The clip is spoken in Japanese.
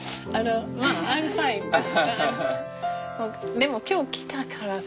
でも今日来たからさ。